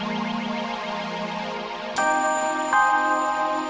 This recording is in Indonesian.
terima kasih tuhan